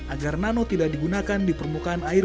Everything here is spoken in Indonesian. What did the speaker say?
agar nano tidak digunakan di permukaan air